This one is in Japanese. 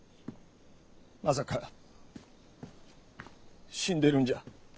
まさか死んでるんじゃ。